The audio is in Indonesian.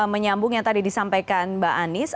menyambung yang tadi disampaikan mbak anies